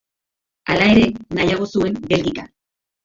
Hala ere, nahiago zuen Belgika.